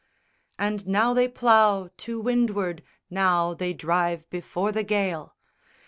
_ II _And now they plough to windward, now They drive before the gale!